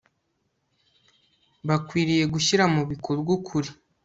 bakwiriye gushyira mu bikorwa ukuri